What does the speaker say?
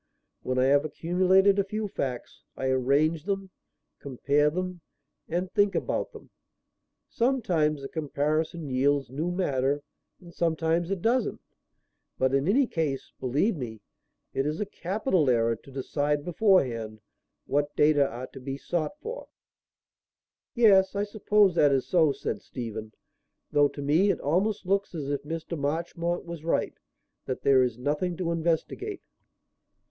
When I have accumulated a few facts, I arrange them, compare them and think about them. Sometimes the comparison yields new matter and sometimes it doesn't; but in any case, believe me, it is a capital error to decide beforehand what data are to be sought for." "Yes, I suppose that is so," said Stephen; "though, to me, it almost looks as if Mr. Marchmont was right; that there is nothing to investigate."